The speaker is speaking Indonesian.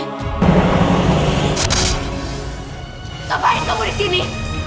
ngapain kamu disini